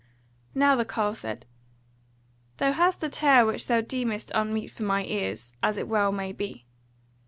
Now the carle said: "Thou hast a tale which thou deemest unmeet for my ears, as it well may be.